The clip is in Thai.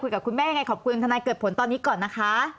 คุยกับคุณแม่ขอบคุณธนายเกิดผลตอนนี้ก่อนนะคะ